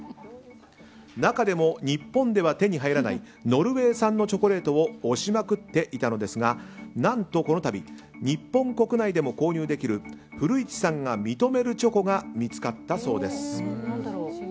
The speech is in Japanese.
中でも日本では手に入らないノルウェー産のチョコレートを推しまくっていたのですが何とこの度日本国内でも購入できる古市さんが認めるチョコが見つかったそうです。